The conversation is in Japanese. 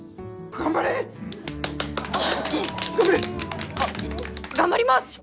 頑張ります！